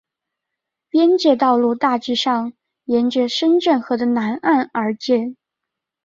边界道路大致上沿着深圳河的南岸而建。